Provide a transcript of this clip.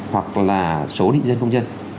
hoặc là số định dân công dân